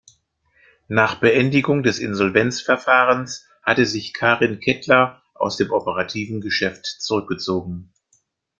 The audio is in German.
Nach Beendigung des Insolvenzverfahrens hatte sich Karin Kettler aus dem operativen Geschäft zurückgezogen.